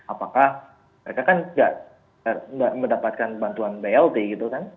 apakah mereka kan nggak mendapatkan bantuan blt gitu kan